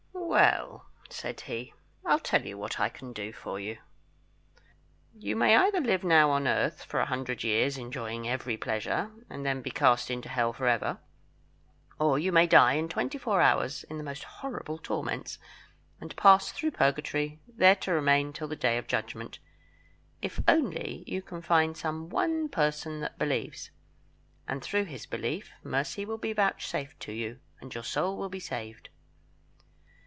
"Well," said he, "I'll tell you what I can do for you. You may either live now on earth for a hundred years, enjoying every pleasure, and then be cast into Hell for ever; or you may die in twenty four hours in the most horrible torments, and pass through Purgatory, there to remain till the Day of Judgment, if only you can find some one person that believes, and through his belief mercy will be vouchsafed to you, and your soul will be saved."